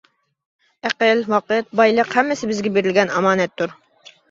ئەقىل، ۋاقىت، بايلىق ھەممىسى بىزگە بېرىلگەن ئامانەتتۇر.